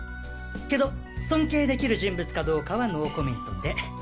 けど尊敬できる人物かどうかはノーコメントで。